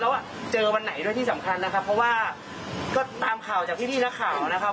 แล้วเจอวันไหนด้วยที่สำคัญนะครับเพราะว่าก็ตามข่าวจากพี่นักข่าวนะครับ